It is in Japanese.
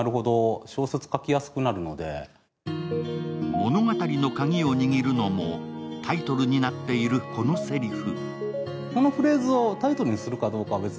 物語の鍵を握るのもタイトルになっているこのせりふ。